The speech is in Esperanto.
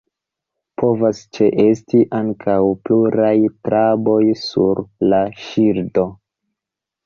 Povas ĉeesti ankaŭ pluraj traboj sur la ŝildo.